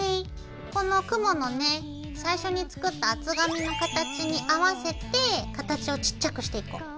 この雲のね最初に作った厚紙の形に合わせて形をちっちゃくしていこう。